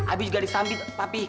abi juga disambit papi